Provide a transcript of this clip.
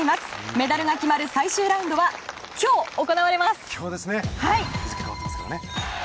メダルが決まる最終ラウンドは今日行われます。